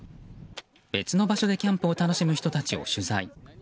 別の場所でキャンプを楽しむ人たちを取材。